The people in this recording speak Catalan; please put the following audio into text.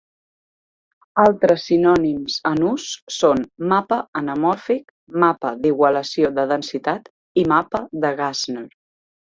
Altres sinònims en ús són "mapa anamòrfic", "mapa d'igualació de densitat" i "mapa de Gastner".